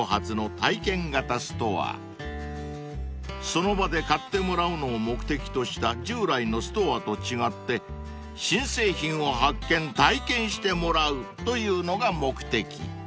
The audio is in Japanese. ［その場で買ってもらうのを目的とした従来のストアと違って新製品を発見体験してもらうというのが目的］